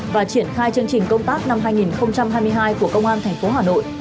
và triển khai chương trình công tác năm hai nghìn hai mươi hai của công an tp hà nội